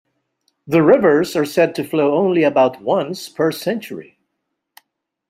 The rivers are said to flow only about once per century.